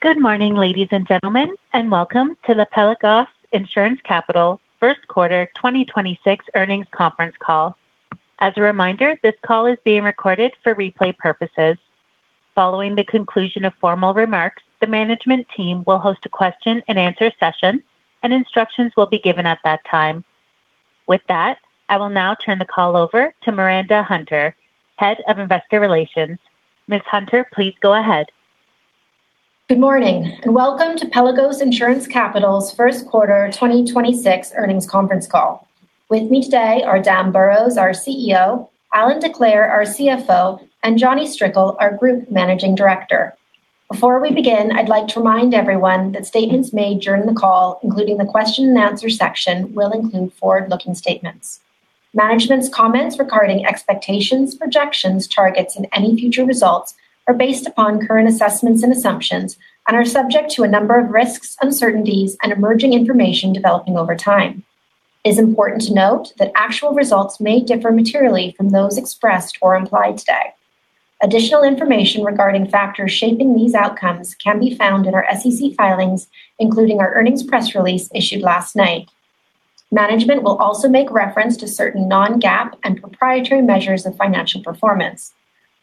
Good morning, ladies and gentlemen, welcome to the Pelagos Insurance Capital first quarter 2026 earnings conference call. As a reminder, this call is being recorded for replay purposes. Following the conclusion of formal remarks, the management team will host a question-and-answer session and instructions will be given at that time. With that, I will now turn the call over to Miranda Hunter, Head of Investor Relations. Ms. Hunter, please go ahead. Good morning and welcome to Pelagos Insurance Capital's first quarter 2026 earnings conference call. With me today are Dan Burrows, our CEO; Allan Decleir, our CFO; and Jonny Strickle, our Group Managing Director. Before we begin, I'd like to remind everyone that statements made during the call, including the question-and-answer section, will include forward-looking statements. Management's comments regarding expectations, projections, targets, and any future results are based upon current assessments and assumptions and are subject to a number of risks, uncertainties, and emerging information developing over time. It is important to note that actual results may differ materially from those expressed or implied today. Additional information regarding factors shaping these outcomes can be found in our SEC filings, including our earnings press release issued last night. Management will also make reference to certain non-GAAP and proprietary measures of financial performance.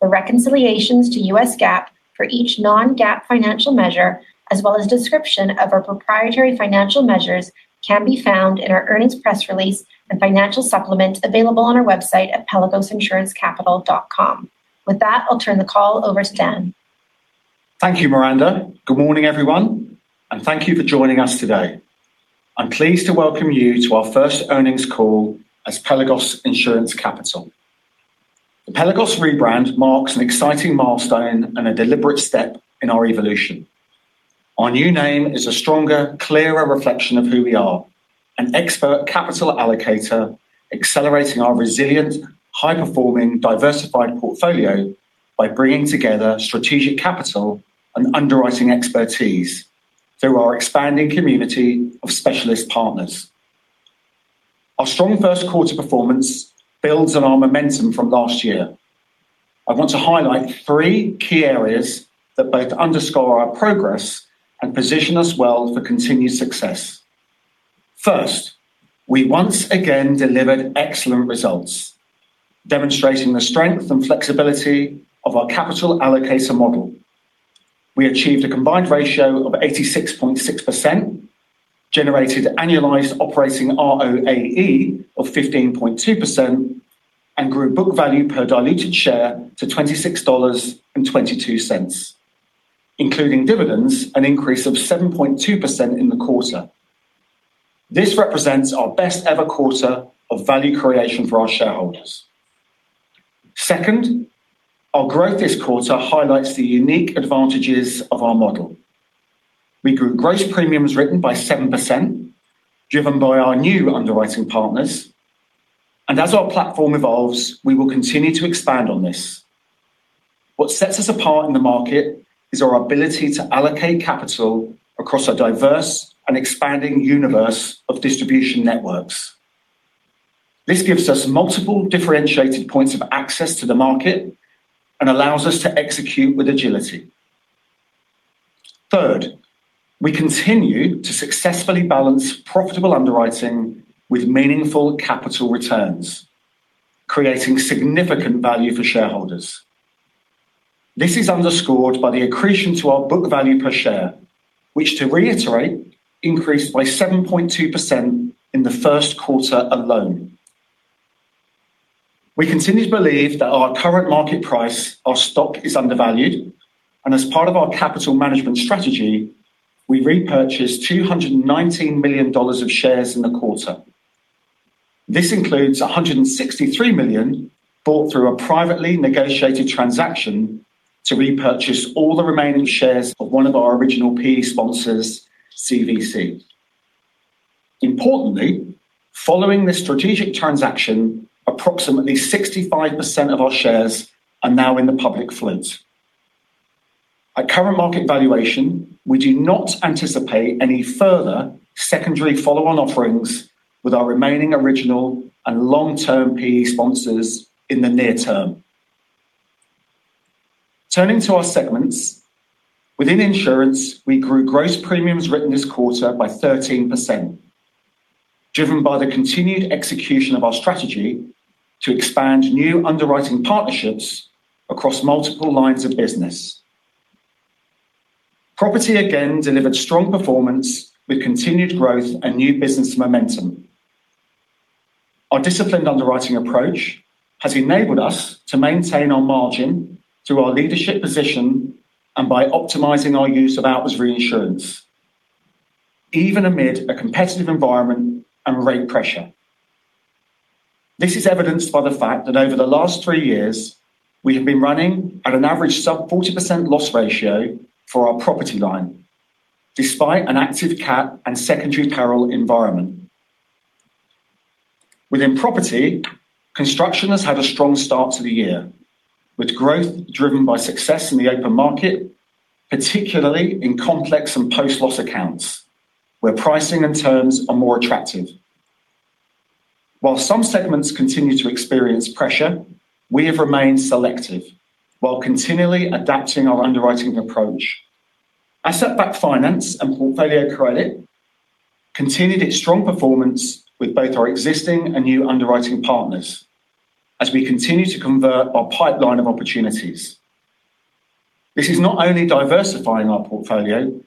The reconciliations to U.S. GAAP for each non-GAAP financial measure as well as description of our proprietary financial measures can be found in our earnings press release and financial supplement available on our website at pelagosinsurancecapital.com. With that, I'll turn the call over to Dan. Thank you, Miranda. Good morning, everyone, and thank you for joining us today. I'm pleased to welcome you to our first earnings call as Pelagos Insurance Capital. The Pelagos rebrand marks an exciting milestone and a deliberate step in our evolution. Our new name is a stronger, clearer reflection of who we are, an expert capital allocator accelerating our resilient, high-performing, diversified portfolio by bringing together strategic capital and underwriting expertise through our expanding community of specialist partners. Our strong first quarter performance builds on our momentum from last year. I want to highlight three key areas that both underscore our progress and position us well for continued success. First, we once again delivered excellent results, demonstrating the strength and flexibility of our capital allocator model. We achieved a combined ratio of 86.6%, generated annualized operating ROAE of 15.2%, and grew book value per diluted share to $26.22, including dividends, an increase of 7.2% in the quarter. This represents our best ever quarter of value creation for our shareholders. Second, our growth this quarter highlights the unique advantages of our model. We grew gross premiums written by 7%, driven by our new underwriting partners. As our platform evolves, we will continue to expand on this. What sets us apart in the market is our ability to allocate capital across a diverse and expanding universe of distribution networks. This gives us multiple differentiated points of access to the market and allows us to execute with agility. Third, we continue to successfully balance profitable underwriting with meaningful capital returns, creating significant value for shareholders. This is underscored by the accretion to our book value per share, which to reiterate, increased by 7.2% in the first quarter alone. We continue to believe that our current market price of stock is undervalued, and as part of our capital management strategy, we repurchased $219 million of shares in the quarter. This includes $163 million bought through a privately negotiated transaction to repurchase all the remaining shares of one of our original PE sponsors, CVC. Importantly, following this strategic transaction, approximately 65% of our shares are now in the public float. At current market valuation, we do not anticipate any further secondary follow-on offerings with our remaining original and long-term PE sponsors in the near term. Turning to our segments. Within Insurance, we grew gross premiums written this quarter by 13%, driven by the continued execution of our strategy to expand new underwriting partnerships across multiple lines of business. Property again delivered strong performance with continued growth and new business momentum. Our disciplined underwriting approach has enabled us to maintain our margin through our leadership position and by optimizing our use of outward reinsurance, even amid a competitive environment and rate pressure. This is evidenced by the fact that over the last three years we have been running at an average sub 40% loss ratio for our property line, despite an active cat and secondary peril environment. Within Property, construction has had a strong start to the year, with growth driven by success in the open market, particularly in complex and post-loss accounts where pricing and terms are more attractive. Some segments continue to experience pressure, we have remained selective while continually adapting our underwriting approach. Asset-Backed Finance and Portfolio Credit continued its strong performance with both our existing and new underwriting partners as we continue to convert our pipeline of opportunities. This is not only diversifying our portfolio,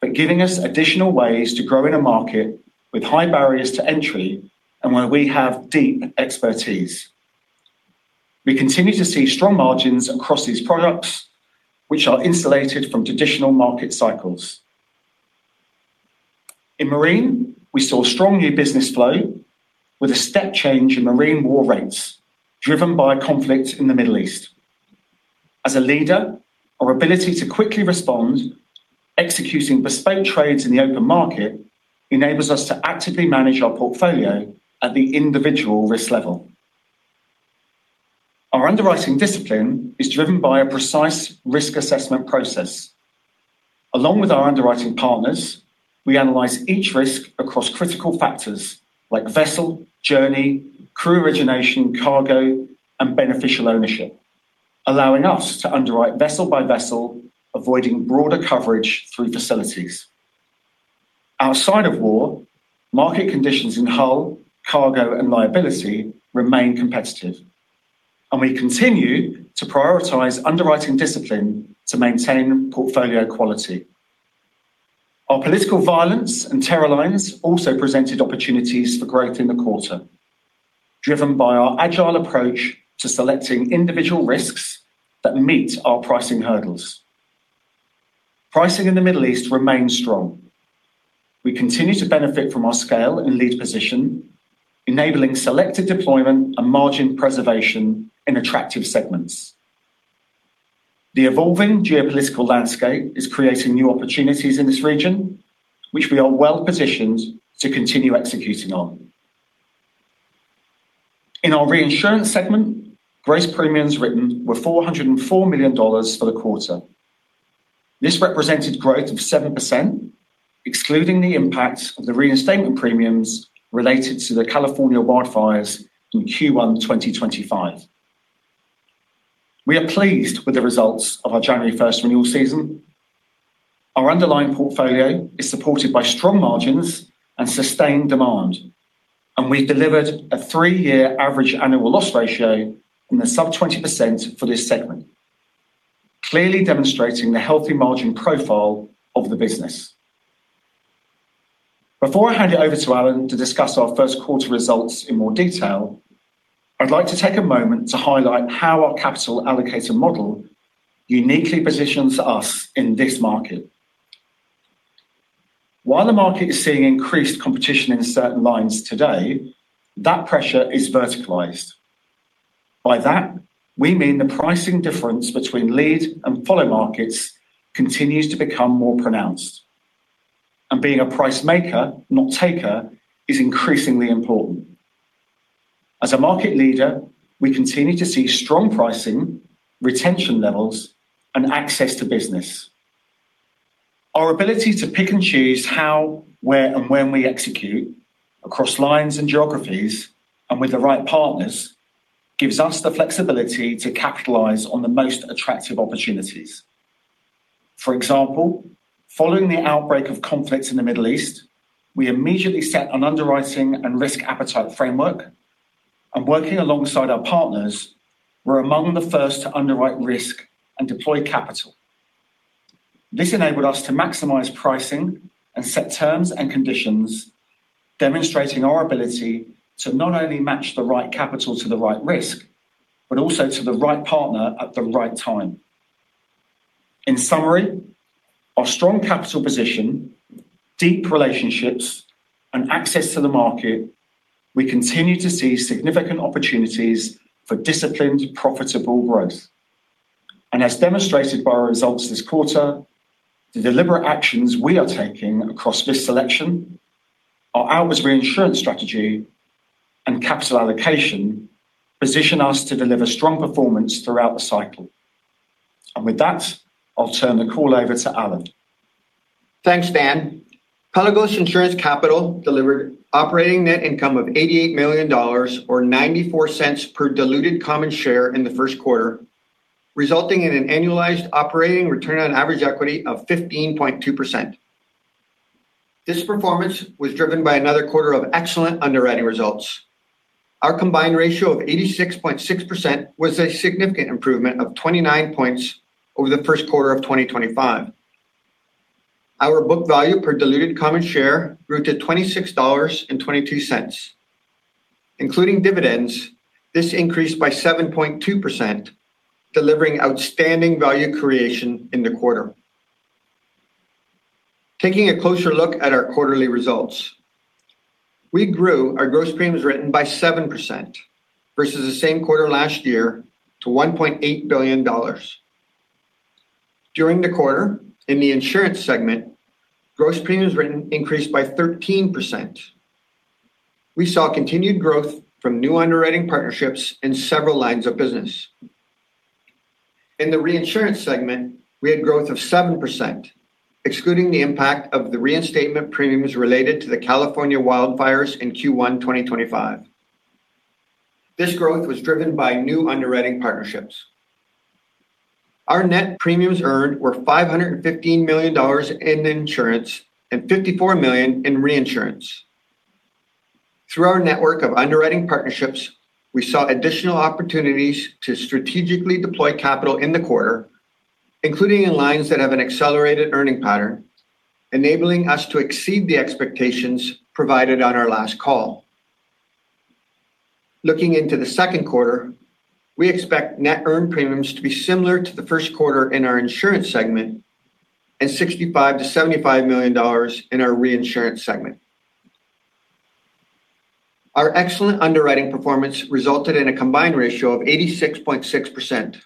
but giving us additional ways to grow in a market with high barriers to entry and where we have deep expertise. We continue to see strong margins across these products, which are insulated from traditional market cycles. In Marine, we saw strong new business flow with a step change in marine war rates driven by conflict in the Middle East. As a leader, our ability to quickly respond, executing bespoke trades in the open market enables us to actively manage our portfolio at the individual risk level. Our underwriting discipline is driven by a precise risk assessment process. Along with our underwriting partners, we analyze each risk across critical factors like vessel, journey, crew origination, cargo, and beneficial ownership, allowing us to underwrite vessel by vessel, avoiding broader coverage through facilities. Outside of war, market conditions in hull, cargo, and liability remain competitive, and we continue to prioritize underwriting discipline to maintain portfolio quality. Our Political, Violence, and Terror lines also presented opportunities for growth in the quarter, driven by our agile approach to selecting individual risks that meet our pricing hurdles. Pricing in the Middle East remains strong. We continue to benefit from our scale and lead position, enabling selective deployment and margin preservation in attractive segments. The evolving geopolitical landscape is creating new opportunities in this region, which we are well-positioned to continue executing on. In our Reinsurance segment, gross premiums written were $404 million for the quarter. This represented growth of 7%, excluding the impact of the reinstatement premiums related to the California wildfires in Q1 2025. We are pleased with the results of our January 1st renewal season. Our underlying portfolio is supported by strong margins and sustained demand, and we've delivered a three-year average annual loss ratio in the sub 20% for this segment, clearly demonstrating the healthy margin profile of the business. Before I hand it over to Allan to discuss our first quarter results in more detail, I'd like to take a moment to highlight how our capital allocator model uniquely positions us in this market. While the market is seeing increased competition in certain lines today, that pressure is verticalized. By that, we mean the pricing difference between lead and follow markets continues to become more pronounced, and being a price maker, not taker, is increasingly important. As a market leader, we continue to see strong pricing, retention levels, and access to business. Our ability to pick and choose how, where, and when we execute across lines and geographies and with the right partners gives us the flexibility to capitalize on the most attractive opportunities. For example, following the outbreak of conflicts in the Middle East, we immediately set an underwriting and risk appetite framework and working alongside our partners, we're among the first to underwrite risk and deploy capital. This enabled us to maximize pricing and set terms and conditions, demonstrating our ability to not only match the right capital to the right risk, but also to the right partner at the right time. In summary, our strong capital position, deep relationships, and access to the market, we continue to see significant opportunities for disciplined, profitable growth. As demonstrated by our results this quarter, the deliberate actions we are taking across risk selection, our outwards reinsurance strategy, and capital allocation position us to deliver strong performance throughout the cycle. With that, I'll turn the call over to Allan. Thanks, Dan. Pelagos Insurance Capital delivered operating net income of $88 million or $0.94 per diluted common share in the first quarter, resulting in an annualized operating return on average equity of 15.2%. This performance was driven by another quarter of excellent underwriting results. Our combined ratio of 86.6% was a significant improvement of 29 points over the first quarter of 2025. Our book value per diluted common share grew to $26.22. Including dividends, this increased by 7.2%, delivering outstanding value creation in the quarter. Taking a closer look at our quarterly results. We grew our gross premiums written by 7% versus the same quarter last year to $1.8 billion. During the quarter, in the Insurance segment, gross premiums written increased by 13%. We saw continued growth from new underwriting partnerships in several lines of business. In the Reinsurance segment, we had growth of 7%, excluding the impact of the reinstatement premiums related to the California wildfires in Q1 2025. This growth was driven by new underwriting partnerships. Our net premiums earned were $515 million in insurance and $54 million in reinsurance. Through our network of underwriting partnerships, we saw additional opportunities to strategically deploy capital in the quarter, including in lines that have an accelerated earning pattern, enabling us to exceed the expectations provided on our last call. Looking into the second quarter, we expect net earned premiums to be similar to the first quarter in our Insurance segment and $65 million-$75 million in our Reinsurance segment. Our excellent underwriting performance resulted in a combined ratio of 86.6%.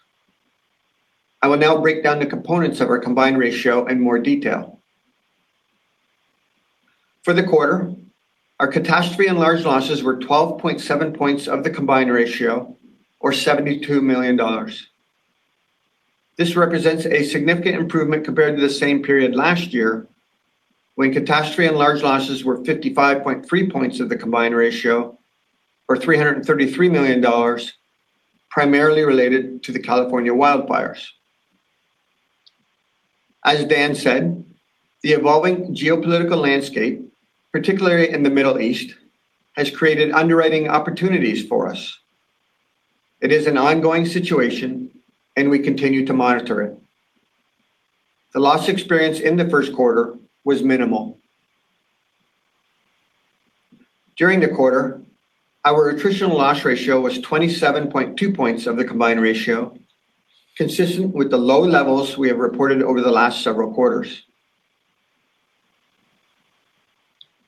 I will now break down the components of our combined ratio in more detail. For the quarter, our catastrophe and large losses were 12.7 points of the combined ratio or $72 million. This represents a significant improvement compared to the same period last year when catastrophe and large losses were 55.3 points of the combined ratio or $333 million, primarily related to the California wildfires. As Dan said, the evolving geopolitical landscape, particularly in the Middle East, has created underwriting opportunities for us. It is an ongoing situation and we continue to monitor it. The loss experience in the first quarter was minimal. During the quarter, our attritional loss ratio was 27.2 points of the combined ratio, consistent with the low levels we have reported over the last several quarters.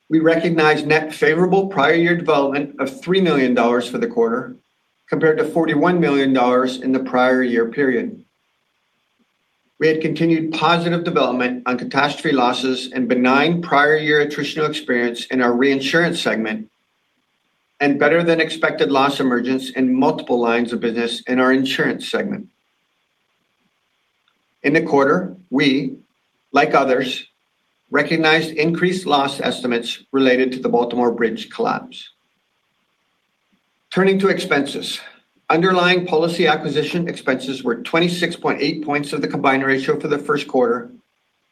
We recognized net favorable prior year development of $3 million for the quarter compared to $41 million in the prior year period. We had continued positive development on catastrophe losses and benign prior year attritional experience in our Reinsurance segment and better than expected loss emergence in multiple lines of business in our Insurance segment. In the quarter, we, like others, recognized increased loss estimates related to the Baltimore Bridge collapse. Turning to expenses, underlying policy acquisition expenses were 26.8 points of the combined ratio for the first quarter,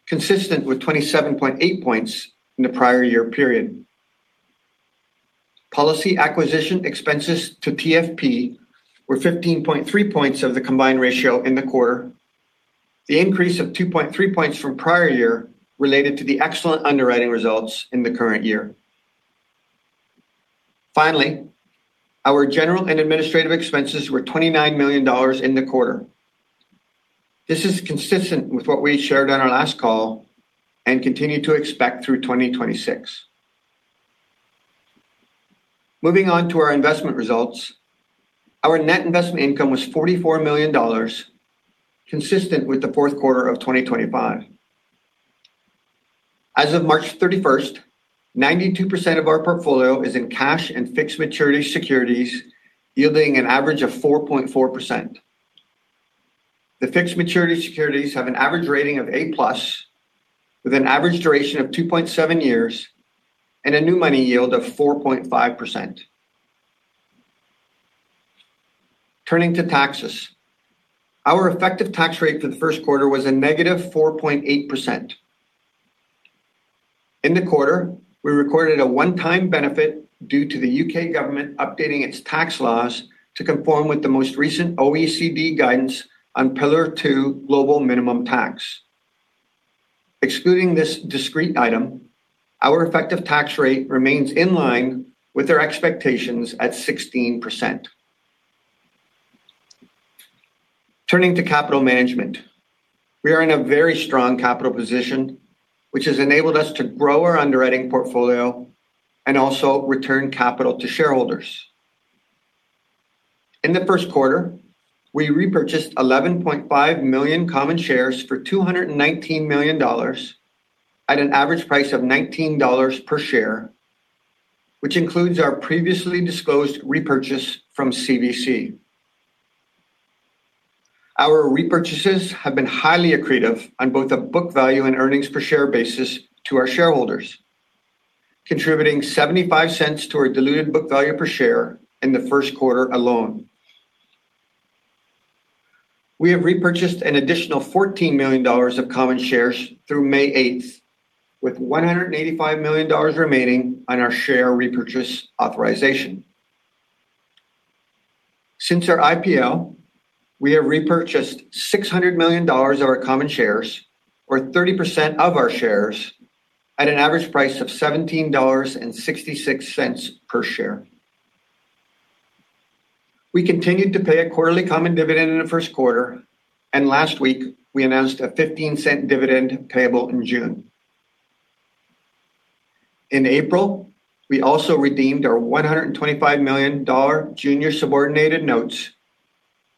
consistent with 27.8 points in the prior year period. Policy acquisition expenses to TFP were 15.3 points of the combined ratio in the quarter. The increase of 2.3 points from prior year related to the excellent underwriting results in the current year. Our general and administrative expenses were $29 million in the quarter. This is consistent with what we shared on our last call and continue to expect through 2026. Moving on to our investment results, our net investment income was $44 million, consistent with the fourth quarter of 2025. As of March 31st, 92% of our portfolio is in cash and fixed maturity securities yielding an average of 4.4%. The fixed maturity securities have an average rating of A+, with an average duration of 2.7 years and a new money yield of 4.5%. Turning to taxes, our effective tax rate for the first quarter was a negative 4.8%. In the quarter, we recorded a one-time benefit due to the U.K. government updating its tax laws to conform with the most recent OECD guidance on Pillar 2 global minimum tax. Excluding this discrete item, our effective tax rate remains in line with our expectations at 16%. Turning to capital management, we are in a very strong capital position, which has enabled us to grow our underwriting portfolio and also return capital to shareholders. In the first quarter, we repurchased 11.5 million common shares for $219 million at an average price of $19 per share, which includes our previously disclosed repurchase from CVC. Our repurchases have been highly accretive on both a book value and earnings per share basis to our shareholders, contributing $0.75 to our diluted book value per share in the first quarter alone. We have repurchased an additional $14 million of common shares through May 8th, with $185 million remaining on our share repurchase authorization. Since our IPO, we have repurchased $600 million of our common shares, or 30% of our shares, at an average price of $17.66 per share. We continued to pay a quarterly common dividend in the first quarter. Last week, we announced a $0.15 dividend payable in June. In April, we also redeemed our $125 million junior subordinated notes,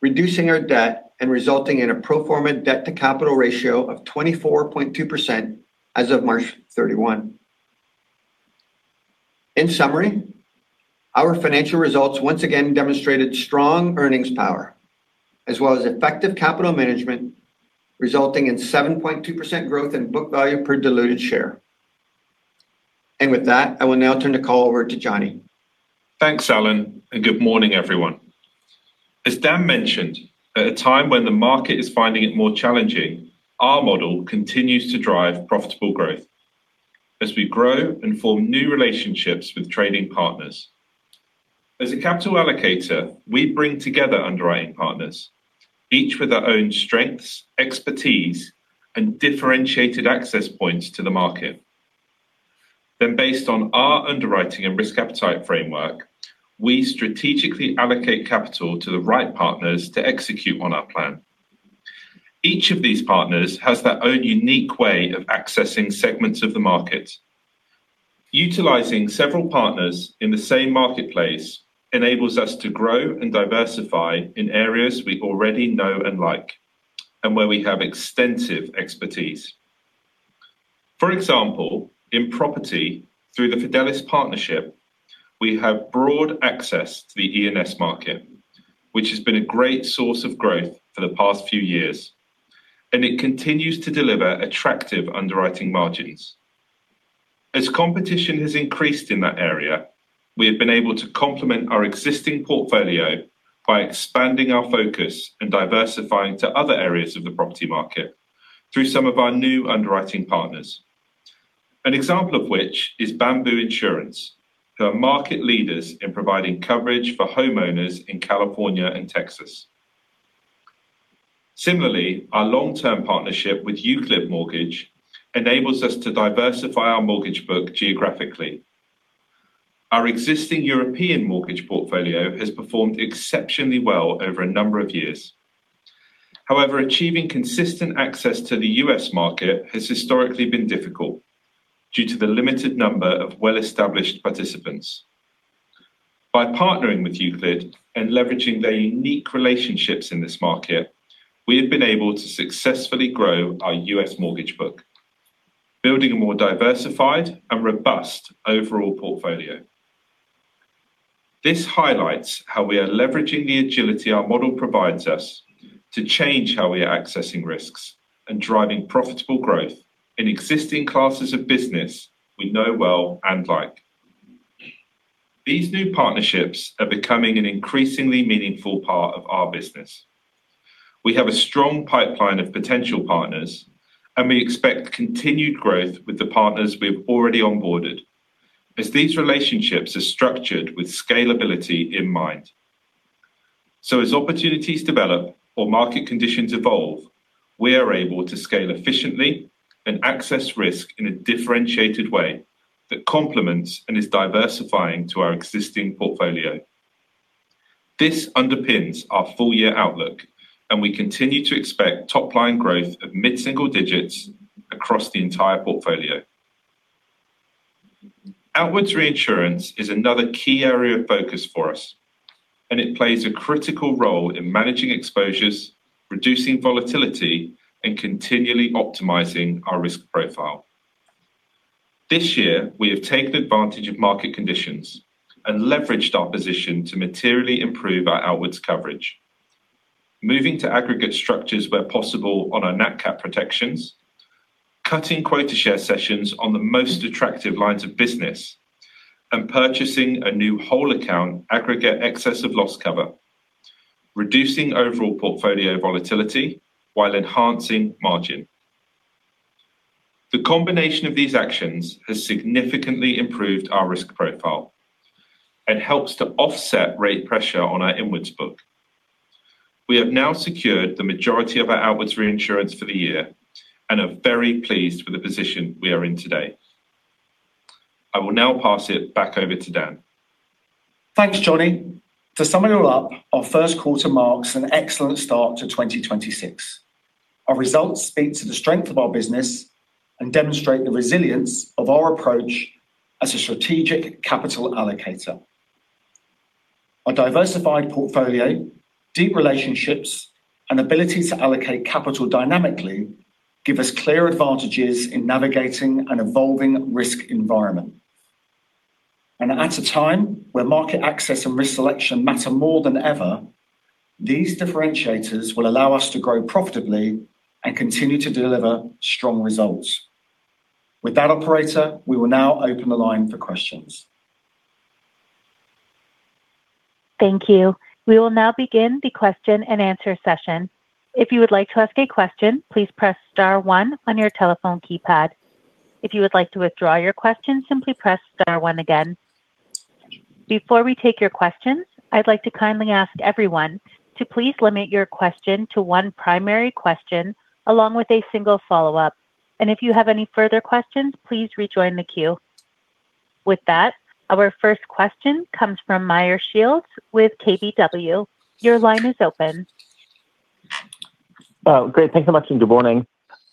reducing our debt and resulting in a pro forma debt-to-capital ratio of 24.2% as of March 31. In summary, our financial results once again demonstrated strong earnings power as well as effective capital management, resulting in 7.2% growth in book value per diluted share. With that, I will now turn the call over to Jonny. Thanks, Allan, and good morning, everyone. As Dan mentioned, at a time when the market is finding it more challenging, our model continues to drive profitable growth as we grow and form new relationships with trading partners. As a capital allocator, we bring together underwriting partners, each with their own strengths, expertise, and differentiated access points to the market. Based on our underwriting and risk appetite framework, we strategically allocate capital to the right partners to execute on our plan. Each of these partners has their own unique way of accessing segments of the market. Utilizing several partners in the same marketplace enables us to grow and diversify in areas we already know and like and where we have extensive expertise. For example, in property, through the Fidelis partnership, we have broad access to the E&S market, which has been a great source of growth for the past few years, and it continues to deliver attractive underwriting margins. As competition has increased in that area, we have been able to complement our existing portfolio by expanding our focus and diversifying to other areas of the property market through some of our new underwriting partners. An example of which is Bamboo Insurance, who are market leaders in providing coverage for homeowners in California and Texas. Similarly, our long-term partnership with Euclid Mortgage enables us to diversify our mortgage book geographically. Our existing European mortgage portfolio has performed exceptionally well over a number of years. However, achieving consistent access to the U.S. market has historically been difficult due to the limited number of well-established participants. By partnering with Euclid and leveraging their unique relationships in this market, we have been able to successfully grow our U.S. mortgage book, building a more diversified and robust overall portfolio. This highlights how we are leveraging the agility our model provides us to change how we are accessing risks and driving profitable growth in existing classes of business we know well and like. These new partnerships are becoming an increasingly meaningful part of our business. We have a strong pipeline of potential partners and we expect continued growth with the partners we've already onboarded as these relationships are structured with scalability in mind. As opportunities develop or market conditions evolve, we are able to scale efficiently and access risk in a differentiated way that complements and is diversifying to our existing portfolio. This underpins our full year outlook, and we continue to expect top line growth of mid-single digits across the entire portfolio. Outwards reinsurance is another key area of focus for us, and it plays a critical role in managing exposures, reducing volatility and continually optimizing our risk profile. This year, we have taken advantage of market conditions and leveraged our position to materially improve our outwards coverage. Moving to aggregate structures where possible on our nat cat protections, cutting quota share cessions on the most attractive lines of business, and purchasing a new whole account aggregate excess of loss cover, reducing overall portfolio volatility while enhancing margin. The combination of these actions has significantly improved our risk profile and helps to offset rate pressure on our inwards book. We have now secured the majority of our outwards reinsurance for the year and are very pleased with the position we are in today. I will now pass it back over to Dan. Thanks, Jonny. To sum it all up, our first quarter marks an excellent start to 2026. Our results speak to the strength of our business and demonstrate the resilience of our approach as a strategic capital allocator. Our diversified portfolio, deep relationships and ability to allocate capital dynamically give us clear advantages in navigating an evolving risk environment. At a time where market access and risk selection matter more than ever, these differentiators will allow us to grow profitably and continue to deliver strong results. With that operator, we will now open the line for questions. Thank you. We will now begin the question-and-answer session. If you would like to ask a question, please press star one on your telephone keypad. If you would like to withdraw your question, simply press star one again. Before we take your questions, I'd like to kindly ask everyone to please limit your question to one primary question along with a single follow-up. If you have any further questions, please rejoin the queue. With that, our first question comes from Meyer Shields with KBW. Your line is open. Oh, great. Thanks so much. Good morning.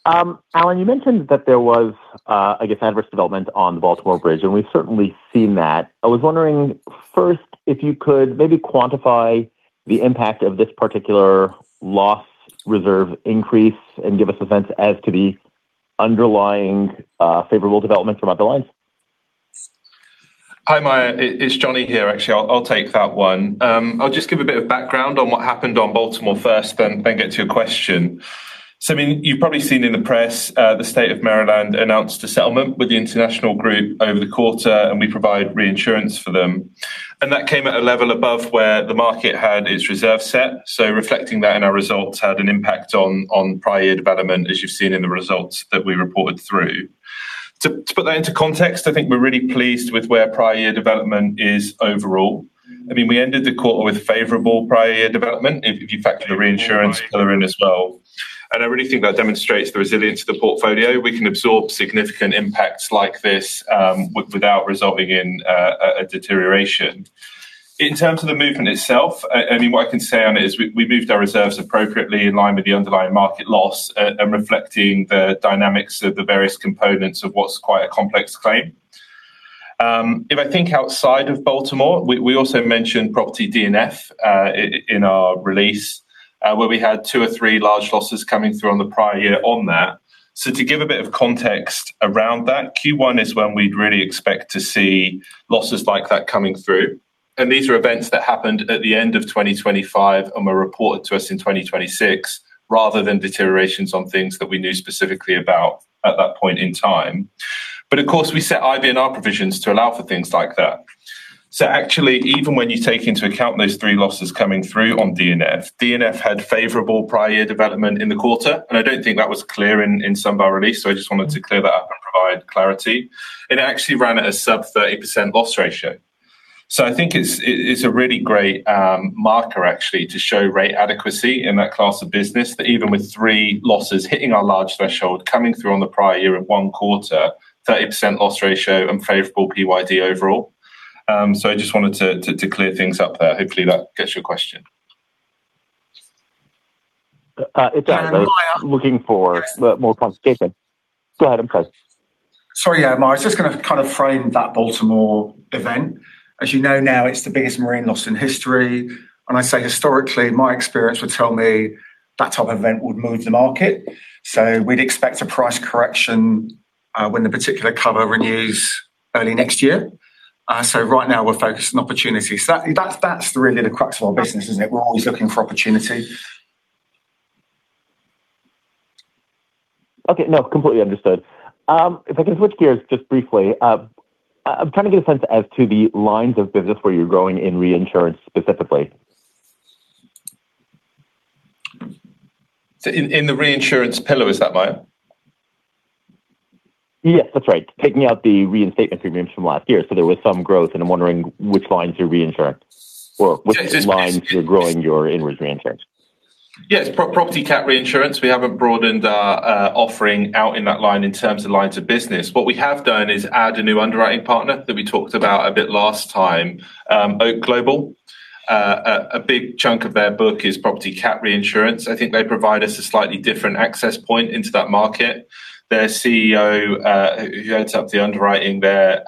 Allan, you mentioned that there was, I guess adverse development on the Baltimore Bridge. We've certainly seen that. I was wondering first if you could maybe quantify the impact of this particular loss reserve increase and give us events as to the underlying, favorable development from other lines. Hi, Meyer. It's Jonny here. Actually, I'll take that one. I'll just give a bit of background on what happened on Baltimore first, then get to your question. I mean, you've probably seen in the press, the State of Maryland announced a settlement with the International Group over the quarter, and we provide reinsurance for them. That came at a level above where the market had its reserve set. Reflecting that in our results had an impact on prior year development, as you've seen in the results that we reported through. To put that into context, I think we're really pleased with where prior year development is overall. I mean, we ended the quarter with favorable prior year development if you factor the reinsurance cover in as well. I really think that demonstrates the resilience of the portfolio. We can absorb significant impacts like this, without resulting in a deterioration. In terms of the movement itself, I mean, what I can say on it is we moved our reserves appropriately in line with the underlying market loss, and reflecting the dynamics of the various components of what's quite a complex claim. If I think outside of Baltimore, we also mentioned property D&F in our release, where we had two or three large losses coming through on the prior year on that. To give a bit of context around that, Q1 is when we'd really expect to see losses like that coming through. These are events that happened at the end of 2025 and were reported to us in 2026, rather than deteriorations on things that we knew specifically about at that point in time. Of course, we set IBNR provisions to allow for things like that. Actually, even when you take into account those three losses coming through on D&F, D&F had favorable prior year development in the quarter, and I don't think that was clear in some of our releases. I just wanted to clear that up and provide clarity. It actually ran at a sub 30% loss ratio. I think it's a really great marker actually to show rate adequacy in that class of business, that even with three losses hitting our large threshold coming through on the prior year in one quarter, 30% loss ratio and favorable PYD overall. I just wanted to clear things up there. Hopefully, that gets your question. It does. I'm looking for more clarification. Go ahead. Sorry, yeah, Meyer. I was just gonna kind of frame that Baltimore event. As you know now, it's the biggest marine loss in history. When I say historically, my experience would tell me that type of event would move the market. We'd expect a price correction when the particular cover renews early next year. Right now we're focused on opportunities. That's really the crux of our business, isn't it? We're always looking for opportunity. Okay. Completely understood. If I can switch gears just briefly. I'm trying to get a sense as to the lines of business where you're growing in Reinsurance specifically. In the Reinsurance pillar, is that right? Yes, that's right. Taking out the reinstatement premiums from last year. There was some growth, and I'm wondering which lines you reinsure or which lines you're growing your inward reinsurance. Yes. Property cat reinsurance. We haven't broadened our offering out in that line in terms of lines of business. What we have done is add a new underwriting partner that we talked about a bit last time, OAK Global. A big chunk of their book is property cat reinsurance. I think they provide us a slightly different access point into that market. Their CEO, who heads up the underwriting there,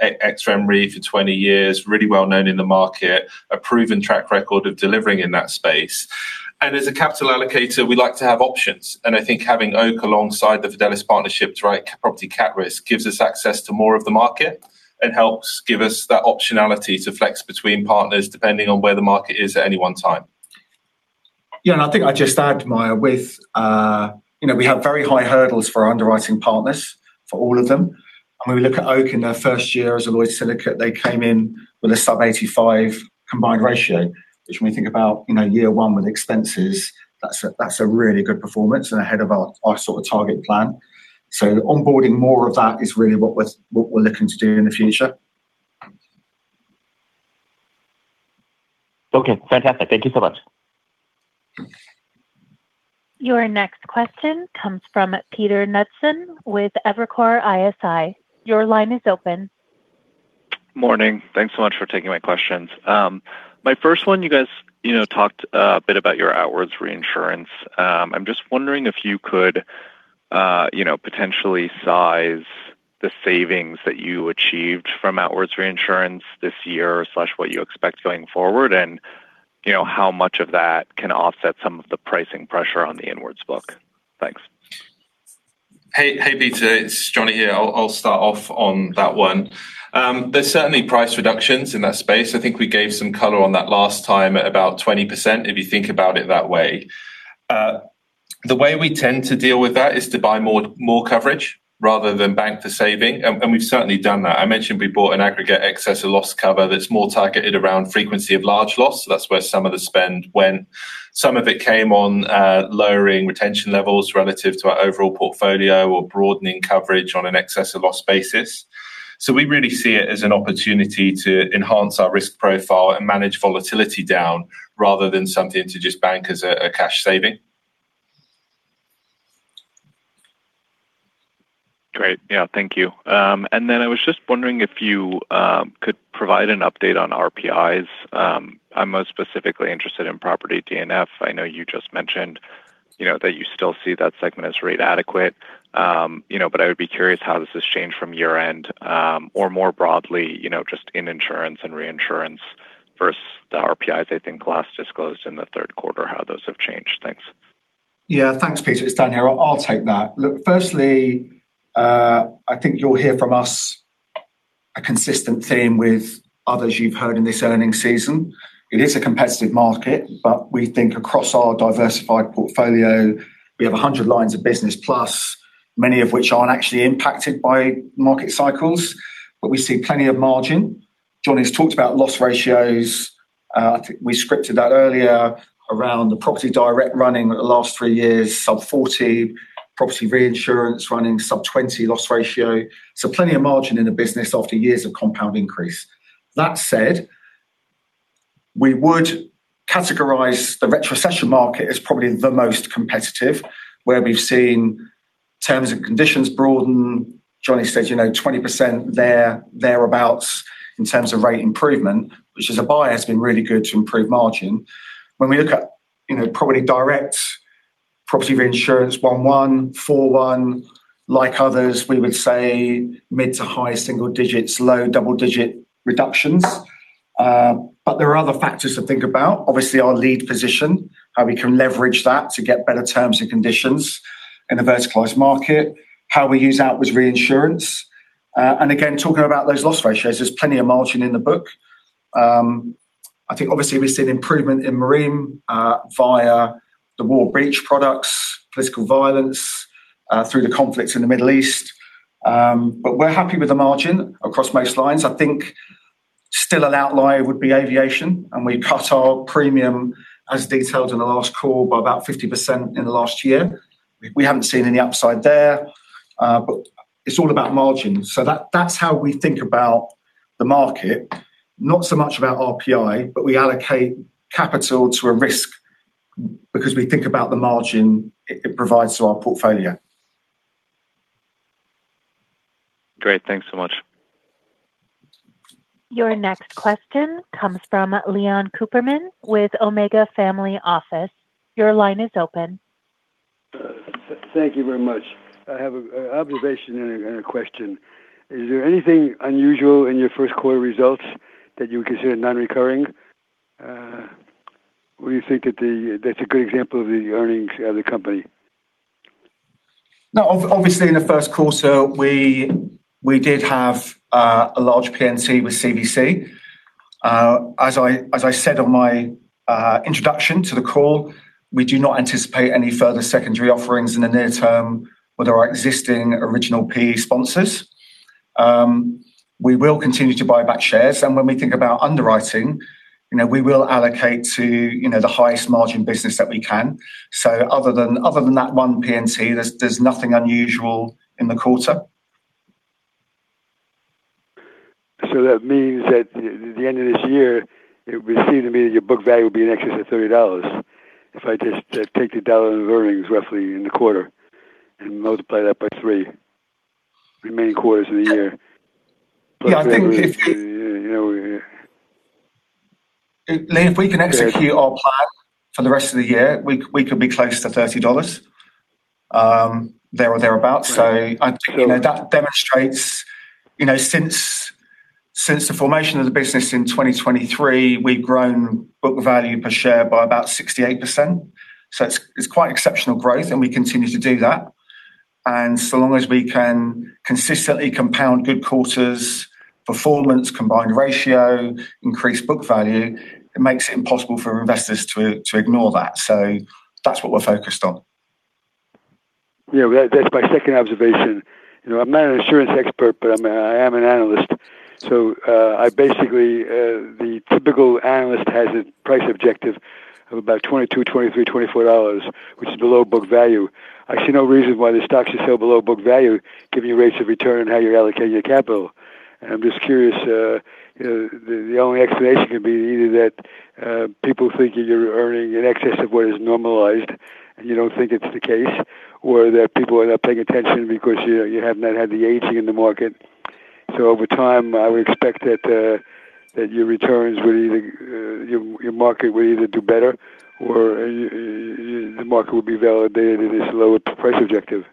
ex-RenRe for 20 years, really well-known in the market, a proven track record of delivering in that space. As a capital allocator, we like to have options, and I think having OAK alongside the Fidelis partnership to write property cat risk gives us access to more of the market and helps give us that optionality to flex between partners depending on where the market is at any one time. Yeah. I think I'd just add, Meyer, with, you know, we have very high hurdles for our underwriting partners for all of them. When we look at OAK in their first year as a Lloyd's syndicate, they came in with a sub 85 combined ratio, which when we think about, you know, year 1 with expenses, that's a, that's a really good performance and ahead of our sort of target plan. Onboarding more of that is really what we're, what we're looking to do in the future. Okay. Fantastic. Thank you so much. Your next question comes from Peter Knudsen with Evercore ISI. Your line is open. Morning. Thanks so much for taking my questions. My first one, you guys, you know, talked a bit about your outwards reinsurance. I'm just wondering if you could, you know, potentially size the savings that you achieved from outwards reinsurance this year/what you expect going forward and, you know, how much of that can offset some of the pricing pressure on the inwards book? Thanks. Hey, hey, Peter. It's Jonny here. I'll start off on that one. There's certainly price reductions in that space. I think we gave some color on that last time at about 20%, if you think about it that way. The way we tend to deal with that is to buy more coverage rather than bank the saving, and we've certainly done that. I mentioned we bought an aggregate excess of loss cover that's more targeted around frequency of large loss. That's where some of the spend went. Some of it came on lowering retention levels relative to our overall portfolio or broadening coverage on an excess of loss basis. We really see it as an opportunity to enhance our risk profile and manage volatility down rather than something to just bank as a cash saving. Great. Yeah. Thank you. I was just wondering if you could provide an update on RPIs. I'm most specifically interested in property D&F. I know you just mentioned, you know, that you still see that segment as rate adequate. You know, I would be curious how this has changed from year-end or more broadly, you know, just in insurance and reinsurance. Versus the RPIs, I think, last disclosed in the third quarter, how those have changed things. Yeah. Thanks, Peter. It's Dan here. I'll take that. Firstly, I think you'll hear from us a consistent theme with others you've heard in this earnings season. It is a competitive market. We think across our diversified portfolio, we have 100 lines of business plus many of which aren't actually impacted by market cycles. We see plenty of margin. Jonny's talked about loss ratios. I think we scripted that earlier around the property direct running the last three years, sub-40. Property reinsurance running sub-20 loss ratio. Plenty of margin in the business after years of compound increase. That said, we would categorize the retrocession market as probably the most competitive, where we've seen terms and conditions broaden. Jonny said, you know, 20% there, thereabout, in terms of rate improvement, which as a buyer has been really good to improve margin. When we look at, you know, property direct, property reinsurance 1-1, 4-1, like others, we would say mid to high single digits, low double-digit reductions. There are other factors to think about. Obviously, our lead position, how we can leverage that to get better terms and conditions in a verticalized market. How we use outwards reinsurance. Again, talking about those loss ratios, there's plenty of margin in the book. I think obviously we've seen improvement in marine via the war breach products, political violence through the conflicts in the Middle East. We're happy with the margin across most lines. I think still an outlier would be aviation, and we cut our premium, as detailed in the last call, by about 50% in the last year. We haven't seen any upside there, but it's all about margins. That's how we think about the market, not so much about RPI, but we allocate capital to a risk because we think about the margin it provides to our portfolio. Great. Thanks so much. Your next question comes from Leon Cooperman with Omega Family Office. Your line is open. Thank you very much. I have an observation and a question. Is there anything unusual in your first quarter results that you consider non-recurring? Or you think that's a good example of the earnings of the company? No. Obviously, in the first quarter, we did have a large PNT with CVC. As I said on my introduction to the call, we do not anticipate any further secondary offerings in the near term with our existing original PE sponsors. We will continue to buy back shares, and when we think about underwriting, you know, we will allocate to, you know, the highest margin business that we can. Other than that one PNT, there's nothing unusual in the quarter. That means that at the end of this year, it would seem to me that your book value would be in excess of $30. If I just take the $1 in earnings roughly in the quarter and multiply that by three remaining quarters of the year. Yeah, I think. You know. If we can execute our plan for the rest of the year, we could be close to $30 there or thereabout. I think that demonstrates, you know, since the formation of the business in 2023, we've grown book value per share by about 68%. It's quite exceptional growth, and we continue to do that. Long as we can consistently compound good quarters, performance, combined ratio, increase book value, it makes it impossible for investors to ignore that. That's what we're focused on. That's my second observation. You know, I'm not an insurance expert but I am an analyst. I basically, the typical analyst has a price objective of about $22, $23, $24, which is below book value. I see no reason why the stock should sell below book value, given your rates of return and how you allocate your capital. I'm just curious, you know, the only explanation could be either that people think you're earning in excess of what is normalized, and you don't think it's the case. That people end up paying attention because you have not had the aging in the market. Over time, I would expect that your returns would either, your market would either do better, or the market would be validated at this lower price objective.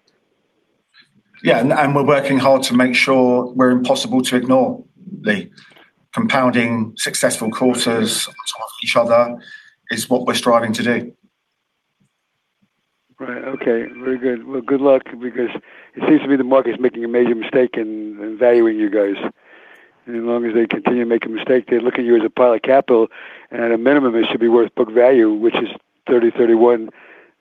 Yeah. We're working hard to make sure we're impossible to ignore, Leon. Compounding successful quarters on top of each other is what we're striving to do. Right. Okay. Very good. Well, good luck because it seems to me the market's making a major mistake in valuing you guys. As long as they continue to make a mistake, they look at you as a pile of capital. At a minimum, it should be worth book value, which is $30, $31.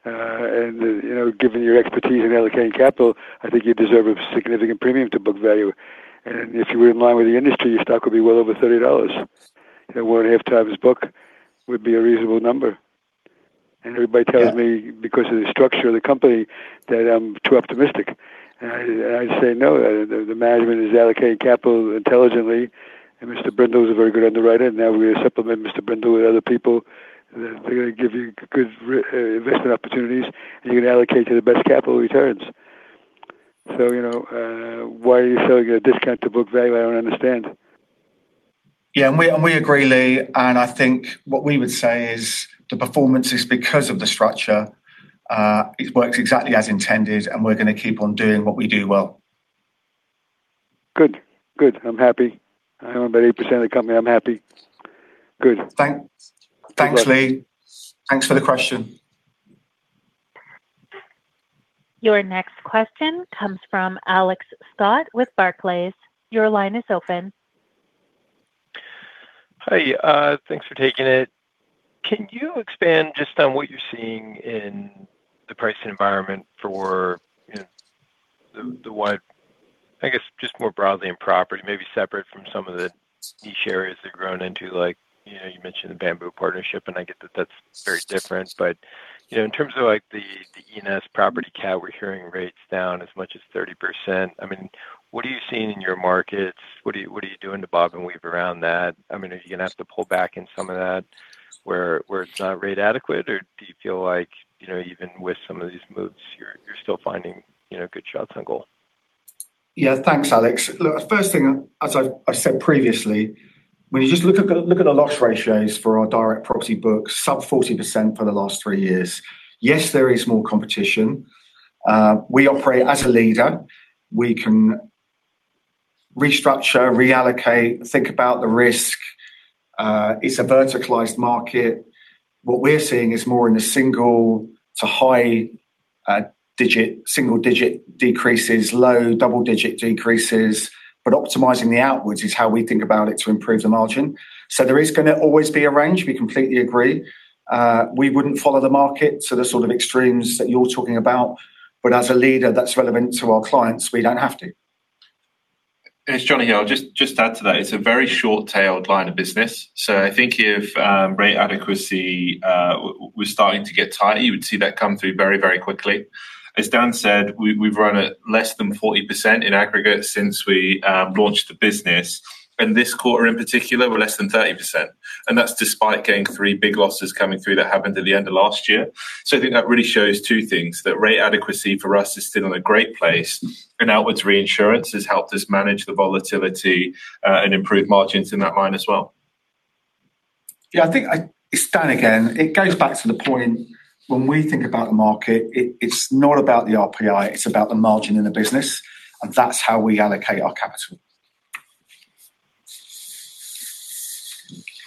You know, given your expertise in allocating capital, I think you deserve a significant premium to book value. If you were in line with the industry, your stock would be well over $30. You know, 1.5x book would be a reasonable number. Everybody tells me. Yeah. Because of the structure of the company that I'm too optimistic. I say, no, the management is allocating capital intelligently, and Mr. Brindle is a very good underwriter. Now we're gonna supplement Mr. Brindle with other people. They're gonna give you good investment opportunities, and you're gonna allocate to the best capital returns. You know, why are you selling at a discount to book value? I don't understand. Yeah. We agree, Leon. I think what we would say is the performance is because of the structure. It works exactly as intended, and we're gonna keep on doing what we do well. Good. Good. I'm happy. I own about 8% of the company, I'm happy. Good. Thanks, Leon. Thanks for the question. Your next question comes from Alex Scott with Barclays. Your line is open. Hi, thanks for taking it. Can you expand just on what you're seeing in the pricing environment for, you know, more broadly in property, maybe separate from some of the niche areas that grown into like, you know, you mentioned the Bamboo partnership, and I get that that's very different. You know, in terms of like the E&S property cat, we're hearing rates down as much as 30%. I mean, what are you seeing in your markets? What are you doing to bob and weave around that? I mean, are you gonna have to pull back in some of that where it's not rate adequate? Do you feel like, you know, even with some of these moves, you're still finding, you know, good shots on goal? Yeah. Thanks, Alex. Look, first thing, as I've said previously, when you just look at the loss ratios for our direct property books, sub 40% for the last three years. Yes, there is more competition. We operate as a leader. We can restructure, reallocate, think about the risk. It's a verticalized market. What we're seeing is more in the single to high single digit decreases, low double-digit decreases, but optimizing the outwards is how we think about it to improve the margin. There is gonna always be a range, we completely agree. We wouldn't follow the market to the sort of extremes that you're talking about. As a leader that's relevant to our clients, we don't have to. It's Jonny here. I'll just add to that. It's a very short-tailed line of business. I think if rate adequacy was starting to get tight, you would see that come through very quickly. As Dan said, we've run at less than 40% in aggregate since we launched the business. This quarter in particular, we're less than 30%, and that's despite getting three big losses coming through that happened at the end of last year. I think that really shows two things, that rate adequacy for us is still in a great place, and outwards reinsurance has helped us manage the volatility and improve margins in that line as well. Yeah, it's Dan again. It goes back to the point when we think about the market, it's not about the RPI, it's about the margin in the business. That's how we allocate our capital.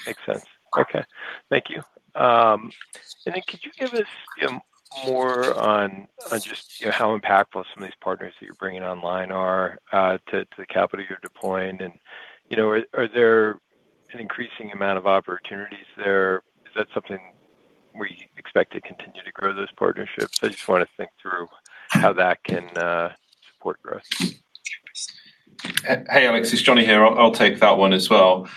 Makes sense. Okay. Thank you. Could you give us, you know, more on just, you know, how impactful some of these partners that you're bringing online are to the capital you're deploying? You know, are there an increasing amount of opportunities there? Is that something where you expect to continue to grow those partnerships? I just wanna think through how that can support growth. Hey, Alex, it's Jonny here. I'll take that one as well.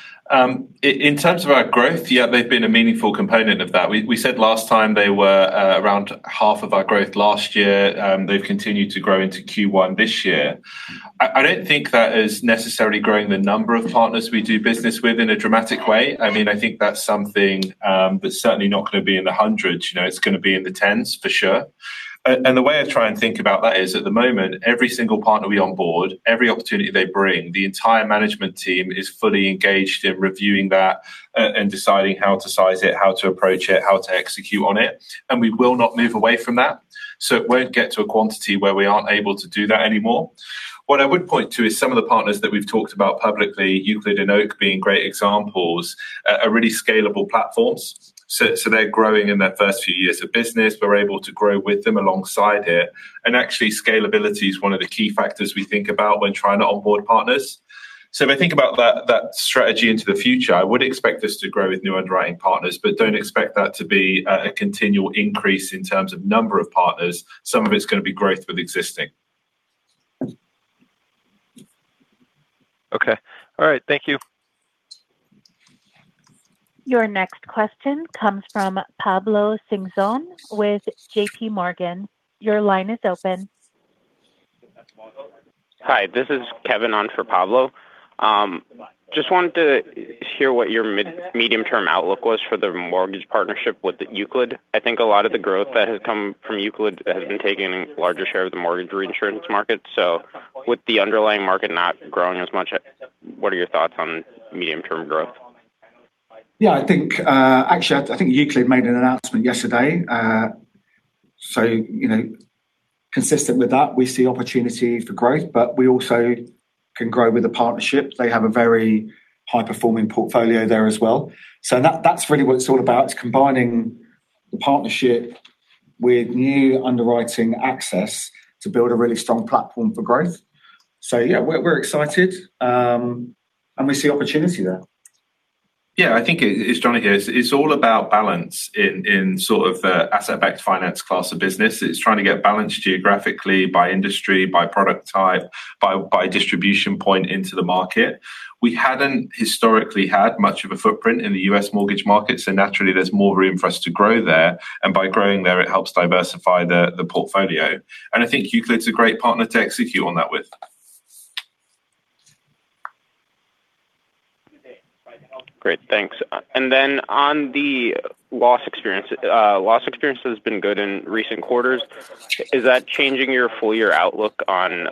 In terms of our growth, yeah, they've been a meaningful component of that. We said last time they were around half of our growth last year. They've continued to grow into Q1 this year. I don't think that is necessarily growing the number of partners we do business with in a dramatic way. I mean, I think that's something, but certainly not gonna be in the hundreds. You know, it's gonna be in the tens for sure. The way I try and think about that is at the moment, every single partner we onboard, every opportunity they bring, the entire management team is fully engaged in reviewing that, deciding how to size it, how to approach it, how to execute on it, we will not move away from that. It won't get to a quantity where we aren't able to do that anymore. What I would point to is some of the partners that we've talked about publicly, Euclid and OAK being great examples, are really scalable platforms. They're growing in their first few years of business. We're able to grow with them alongside here. Actually, scalability is one of the key factors we think about when trying to onboard partners. If I think about that strategy into the future, I would expect us to grow with new underwriting partners, but don't expect that to be a continual increase in terms of number of partners. Some of it's gonna be growth with existing. Okay. All right. Thank you. Your next question comes from Pablo Singzon with JPMorgan. Your line is open. Hi, this is Kevin on for Pablo. Just wanted to hear what your medium-term outlook was for the mortgage partnership with Euclid. I think a lot of the growth that has come from Euclid has been taking larger share of the mortgage reinsurance market. With the underlying market not growing as much, what are your thoughts on medium term growth? Yeah, I think, actually, I think Euclid made an announcement yesterday. You know, consistent with that, we see opportunity for growth, but we also can grow with the partnership. They have a very high performing portfolio there as well. That's really what it's all about. It's combining the partnership with new underwriting access to build a really strong platform for growth. Yeah, we're excited, and we see opportunity there. Yeah, I think it's Jonny here. It's all about balance in sort of the asset-backed finance class of business. It's trying to get balance geographically by industry, by product type, by distribution point into the market. We hadn't historically had much of a footprint in the U.S. mortgage market, naturally there's more room for us to grow there, and by growing there, it helps diversify the portfolio. I think Euclid's a great partner to execute on that with. Great. Thanks. On the loss experience. Loss experience has been good in recent quarters. Is that changing your full year outlook on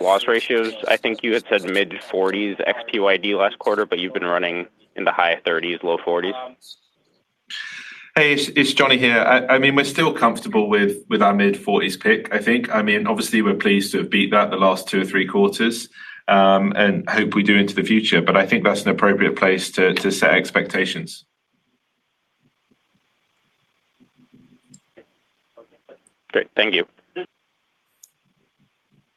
loss ratios? I think you had said mid-40s ex-TYD last quarter, but you've been running in the high 30s, low 40s. Hey, it's Jonny here. I mean, we're still comfortable with our mid-40s pick, I think. I mean, obviously we're pleased to have beat that the last two or three quarters, and hope we do into the future. I think that's an appropriate place to set expectations. Okay. Great. Thank you.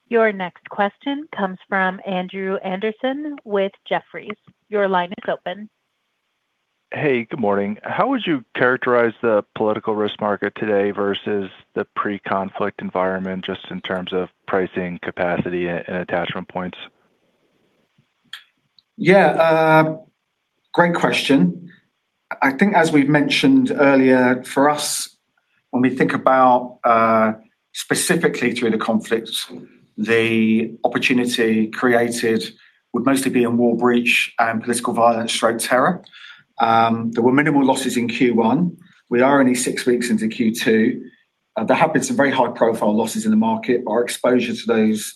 Your next question comes from Andrew Andersen with Jefferies. Your line is open. Hey, good morning. How would you characterize the political risk market today versus the pre-conflict environment, just in terms of pricing capacity and attachment points? Great question. I think as we've mentioned earlier, for us, when we think about specifically through the conflict, the opportunity created would mostly be in war breach and political violence/terror. There were minimal losses in Q1. We are only six weeks into Q2. There have been some very high-profile losses in the market. Our exposure to those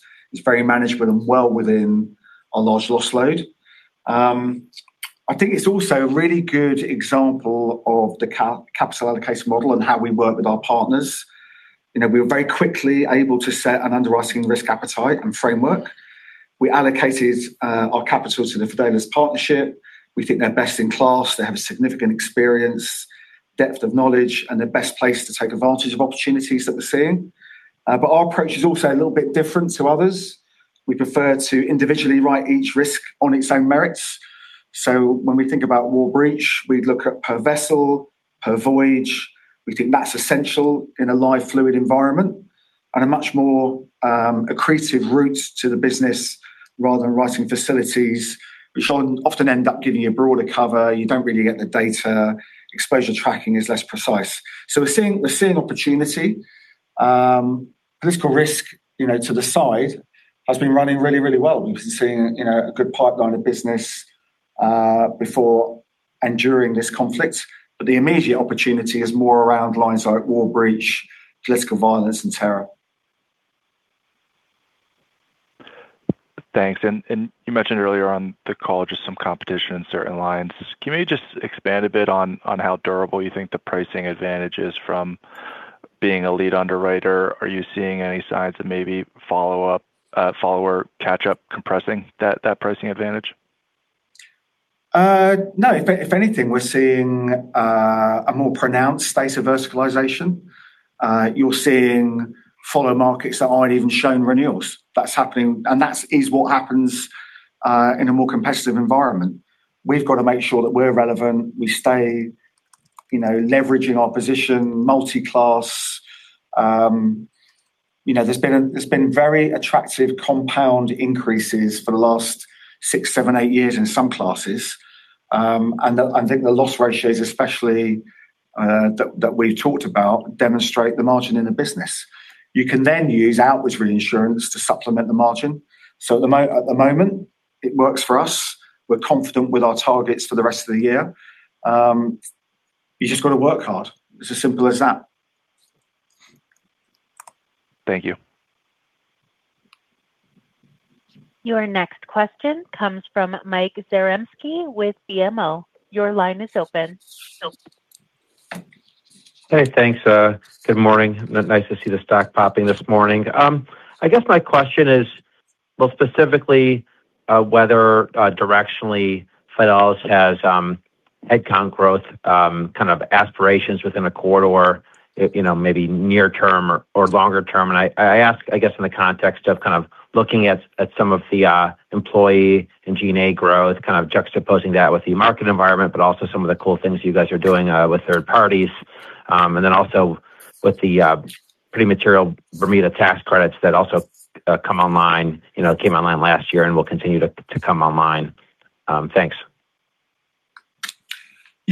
is very manageable and well within our large loss load. I think it's also a really good example of the capital allocation model and how we work with our partners. You know, we were very quickly able to set an underwriting risk appetite and framework. We allocated our capital to the Fidelis partnership. We think they're best in class. They have significant experience, depth of knowledge, and they're best placed to take advantage of opportunities that we're seeing. Our approach is also a little bit different to others. We prefer to individually write each risk on its own merits. When we think about war breach, we'd look at per vessel, per voyage. We think that's essential in a live fluid environment and a much more accretive route to the business rather than writing facilities, which often end up giving you broader cover. You don't really get the data. Exposure tracking is less precise. We're seeing opportunity. Political risk, you know, to the side, has been running really, really well. We've been seeing, you know, a good pipeline of business before and during this conflict. The immediate opportunity is more around lines like war breach, political violence, and terror. Thanks. You mentioned earlier on the call just some competition in certain lines. Can you maybe just expand a bit on how durable you think the pricing advantage is from being a lead underwriter? Are you seeing any signs of maybe follow up, follower catch up compressing that pricing advantage? No. If anything, we're seeing a more pronounced state of verticalization. You're seeing follow markets that aren't even shown renewals. That's happening, and that's what happens in a more competitive environment. We've got to make sure that we're relevant, we stay, you know, leveraging our position multiclass. You know, there's been very attractive compound increases for the last six, seven, eight years in some classes. I think the loss ratios especially that we've talked about demonstrate the margin in the business. You can then use outwards reinsurance to supplement the margin. At the moment, it works for us. We're confident with our targets for the rest of the year. You just gotta work hard. It's as simple as that. Thank you. Your next question comes from Michael Zaremski with BMO. Your line is open. Hey, thanks. Good morning. Nice to see the stock popping this morning. I guess my question is, well, specifically, whether directionally Fidelis has head count growth, kind of aspirations within a quarter or, you know, maybe near term or longer term. I ask I guess in the context of kind of looking at some of the employee and G&A growth, kind of juxtaposing that with the market environment, but also some of the cool things you guys are doing with third parties. Also, with the pretty material Bermuda tax credits that also come online, you know, came online last year and will continue to come online. Thanks.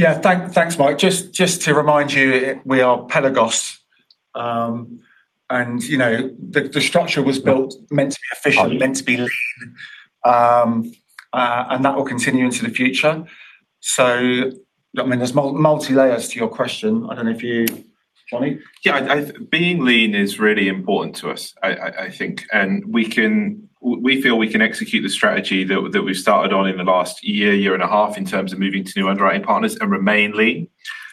Yeah. Thanks, Mike. Just to remind you, we are Pelagos. You know, the structure was built meant to be efficient, meant to be lean. That will continue into the future. I mean, there's multi layers to your question. I don't know if you Jonny? Being lean is really important to us, I think, and we feel we can execute the strategy that we've started on in the last year and a half in terms of moving to new underwriting partners and remain lean.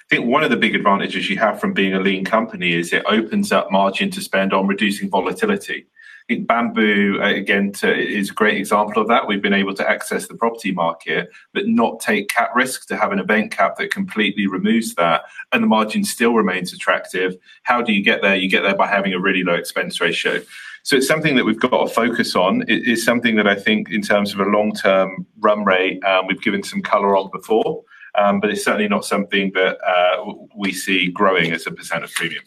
I think one of the big advantages you have from being a lean company is it opens up margin to spend on reducing volatility. I think Bamboo, again, is a great example of that. We've been able to access the property market but not take cat risk to have an event cap that completely removes that, and the margin still remains attractive. How do you get there? You get there by having a really low expense ratio. It's something that we've got to focus on. It is something that I think in terms of a long-term run rate, we've given some color on before, but it's certainly not something that, we see growing as a percent of premium.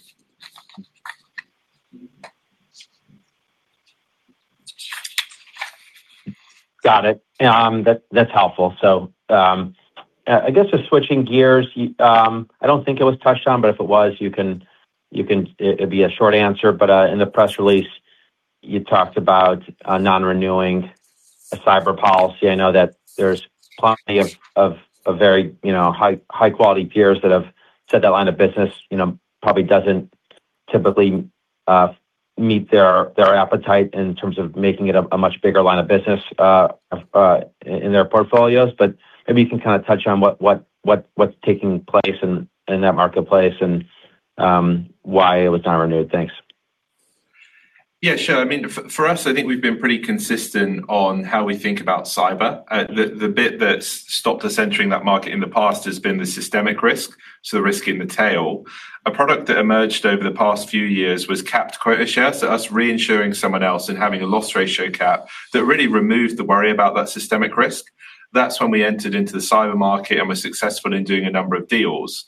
Got it. That's helpful. I guess just switching gears. I don't think it was touched on, but if it was, you can It'd be a short answer, but in the press release you talked about non-renewing a cyber policy. I know that there's plenty of very, you know, high quality peers that have said that line of business, you know, probably doesn't typically, meet their appetite in terms of making it a much bigger line of business in their portfolios. Maybe you can kinda touch on what's taking place in that marketplace and why it was not renewed. Thanks. Sure. I mean, for us, I think we've been pretty consistent on how we think about cyber. The bit that's stopped us entering that market in the past has been the systemic risk, so the risk in the tail. A product that emerged over the past few years was capped quota shares. Us reinsuring someone else and having a loss ratio cap that really removed the worry about that systemic risk. That's when we entered into the cyber market and were successful in doing a number of deals.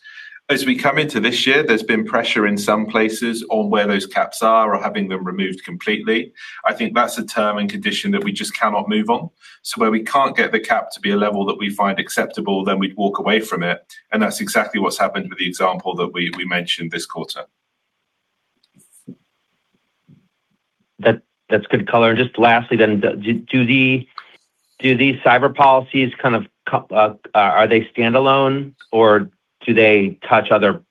We come into this year, there's been pressure in some places on where those caps are or having them removed completely. I think that's a term and condition that we just cannot move on. Where we can't get the cap to be a level that we find acceptable, then we'd walk away from it, and that's exactly what's happened with the example that we mentioned this quarter. That's good color. Just lastly then, do these cyber policies are they standalone or do they touch other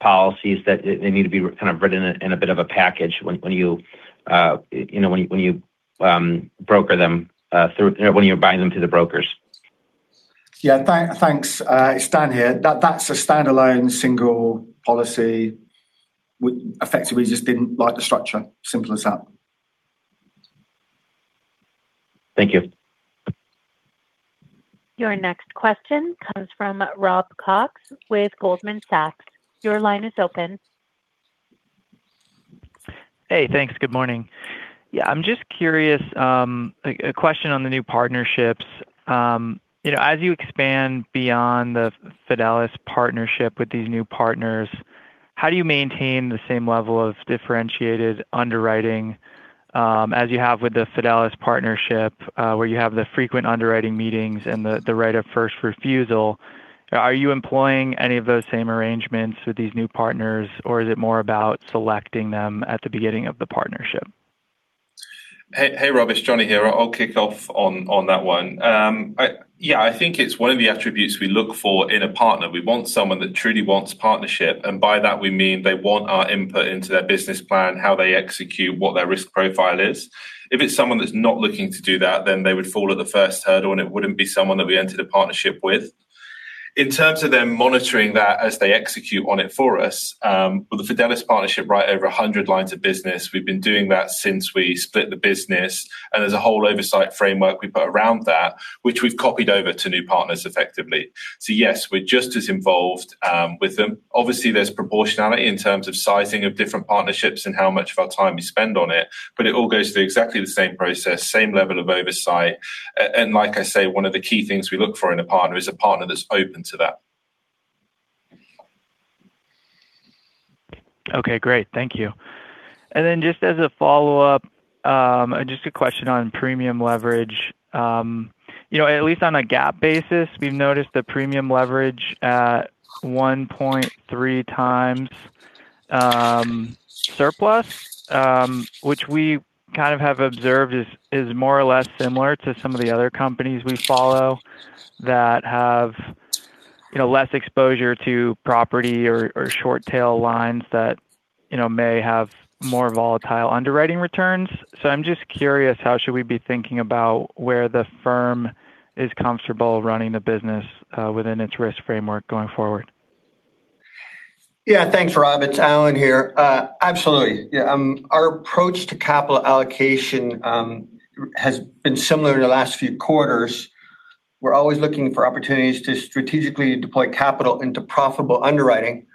policies that they need to be written in a bit of a package when you know, broker them when you're buying them through the brokers? Thanks. It's Dan here. That's a standalone single policy. We effectively just didn't like the structure, simple as that. Thank you. Your next question comes from Rob Cox with Goldman Sachs. Your line is open. Hey, thanks. Good morning. Yeah, I am just curious, a question on the new partnerships. you know, as you expand beyond the Fidelis partnership with these new partners, how do you maintain the same level of differentiated underwriting, as you have with the Fidelis partnership, where you have the frequent underwriting meetings and the right of first refusal? Are you employing any of those same arrangements with these new partners, or is it more about selecting them at the beginning of the partnership? Hey, Rob, it's Jonny here. I'll kick off on that one. I think it's one of the attributes we look for in a partner. We want someone that truly wants partnership. By that we mean they want our input into their business plan, how they execute, what their risk profile is. If it's someone that's not looking to do that, they would fall at the first hurdle. It wouldn't be someone that we entered a partnership with. In terms of them monitoring that as they execute on it for us, with the Fidelis partnership, right, over 100 lines of business, we've been doing that since we split the business. There's a whole oversight framework we put around that which we've copied over to new partners effectively. Yes, we're just as involved with them. Obviously, there's proportionality in terms of sizing of different partnerships and how much of our time we spend on it. It all goes through exactly the same process, same level of oversight. Like I say, one of the key things we look for in a partner is a partner that's open to that. Okay, great. Thank you. Just as a follow-up, just a question on premium leverage. You know, at least on a GAAP basis, we've noticed the premium leverage at 1.3x surplus, which we kind of have observed is more or less similar to some of the other companies we follow that have, you know, less exposure to property or short tail lines that, you know, may have more volatile underwriting returns. I'm just curious, how should we be thinking about where the firm is comfortable running the business within its risk framework going forward? Thanks, Rob. It's Allan here. Absolutely. Our approach to capital allocation has been similar to the last few quarters. We're always looking for opportunities to strategically deploy capital into profitable underwriting.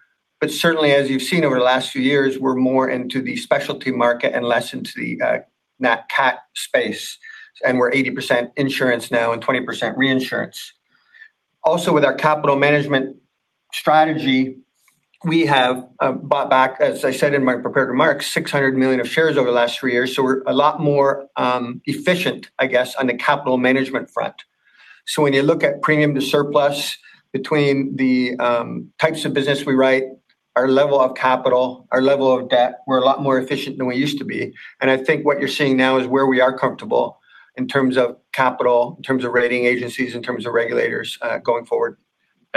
Certainly, as you've seen over the last few years, we're more into the specialty market and less into the nat cat space, and we're 80% insurance now and 20% reinsurance. Also, with our capital management strategy, we have bought back, as I said in my prepared remarks, $600 million of shares over the last three years. We're a lot more efficient, I guess, on the capital management front. When you look at premium to surplus between the types of business we write, our level of capital, our level of debt, we're a lot more efficient than we used to be. I think what you're seeing now is where we are comfortable in terms of capital, in terms of rating agencies, in terms of regulators, going forward.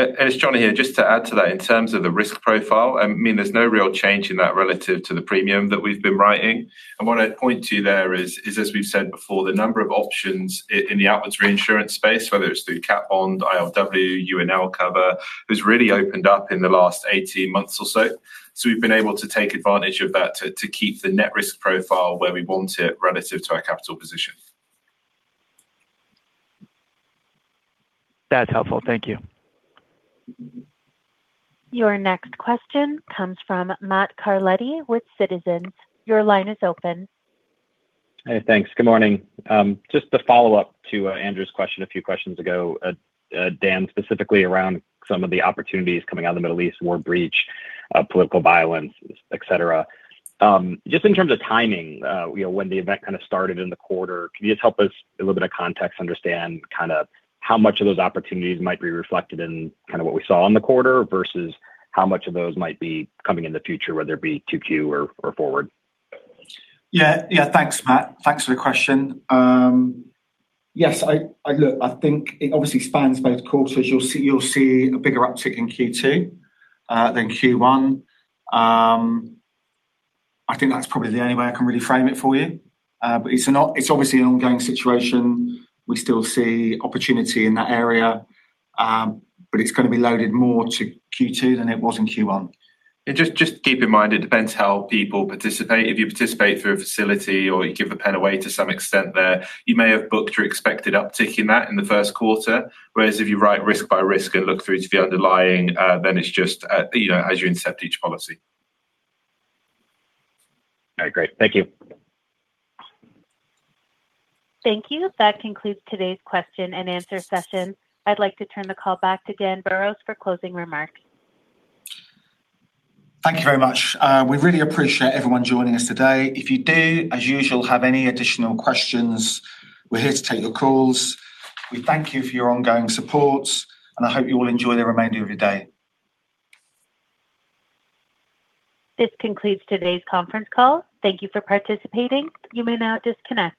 It's Jonny here. Just to add to that, in terms of the risk profile, I mean, there's no real change in that relative to the premium that we've been writing. What I'd point to you there is as we've said before, the number of options in the outwards reinsurance space, whether it's through cat bond, ILW, UNL cover, has really opened up in the last 18 months or so. We've been able to take advantage of that to keep the net risk profile where we want it relative to our capital position. That's helpful. Thank you. Your next question comes from Matt Carletti with Citizens. Your line is open. Hey, thanks. Good morning. Just a follow-up to Andrew's question a few questions ago, Dan, specifically around some of the opportunities coming out of the Middle East, war breach, political violence, et cetera. Just in terms of timing, you know, when the event kind of started in the quarter, can you just help us, a little bit of context to understand kind of how much of those opportunities might be reflected in kind of what we saw in the quarter versus how much of those might be coming in the future, whether it be 2Q or forward? Thanks, Matt. Thanks for the question. Yes, I think it obviously spans both quarters. You'll see a bigger uptick in Q2 than Q1. I think that's probably the only way I can really frame it for you. It's obviously an ongoing situation. We still see opportunity in that area, it's gonna be loaded more to Q2 than it was in Q1. Just keep in mind, it depends how people participate. If you participate through a facility or you give the pen away to some extent there, you may have booked your expected uptick in that in the first quarter. Whereas if you write risk by risk and look through to the underlying, then it's just, you know, as you incept each policy. All right, great. Thank you. Thank you. That concludes today's question-and-answer session. I'd like to turn the call back to Dan Burrows for closing remarks. Thank you very much. We really appreciate everyone joining us today. If you do, as usual, have any additional questions, we're here to take your calls. We thank you for your ongoing support, and I hope you all enjoy the remainder of your day. This concludes today's conference call. Thank you for participating. You may now disconnect.